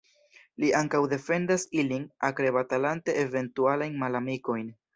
Li ankaŭ defendas ilin, akre batalante eventualajn malamikojn.